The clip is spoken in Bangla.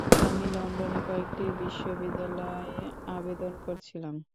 আমি লন্ডনের কয়েকটি বিশ্ববিদ্যালয়ে, আবেদন করছিলাম।